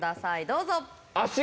どうぞ。